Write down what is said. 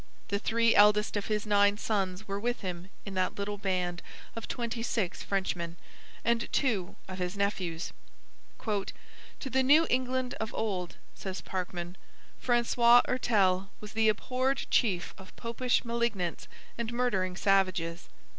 The three eldest of his nine sons were with him in that little band of twenty six Frenchmen, and two of his nephews. 'To the New England of old,' says Parkman 'Francois Hertel was the abhorred chief of Popish malignants and murdering savages.